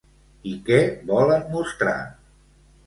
I què volen mostrar?